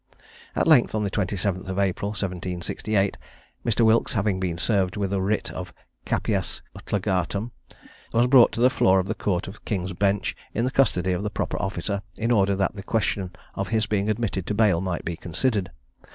At length, on the 27th of April 1768, Mr. Wilkes having been served with a writ of Capias utlagatum, was brought to the floor of the Court of King's Bench in the custody of the proper officer, in order that the question of his being admitted to bail might be considered.